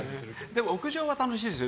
屋上は楽しいですよ。